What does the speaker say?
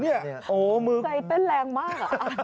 เนี่ยโอ้มือใจเต้นแรงมากอะ